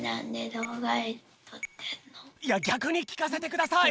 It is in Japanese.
いやぎゃくにきかせてください。